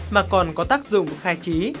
mà còn có tác dụng khai trí